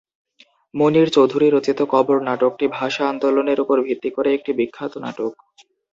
মুনীর চৌধুরী রচিত "কবর" নাটকটি ভাষা আন্দোলনের উপর ভিত্তি করে একটি বিখ্যাত নাটক।